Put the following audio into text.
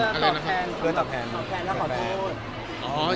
เพื่อตอบแพน